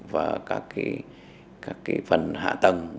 và các phần hạ tầng